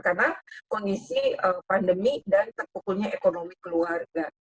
karena kondisi pandemi dan terpukulnya ekonomi keluarga